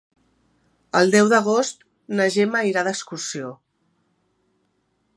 El deu d'agost na Gemma irà d'excursió.